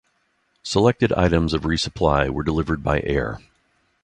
Selected items of resupply were delivered by air.